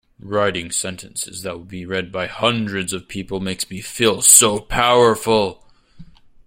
Writing sentences that will be read by hundreds of people makes me feel so powerful!